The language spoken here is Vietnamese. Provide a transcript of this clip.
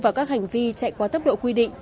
vào các hành vi chạy qua tấp độ quy định